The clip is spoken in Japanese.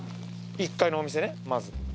１階のお店ねまず。